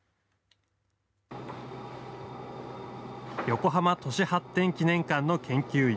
横浜都市発展記念館の研究員